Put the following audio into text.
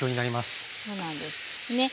そうなんですね。